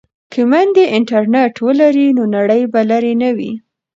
که میندې انټرنیټ ولري نو نړۍ به لرې نه وي.